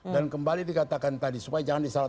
dan kembali dikatakan tadi supaya jangan disalah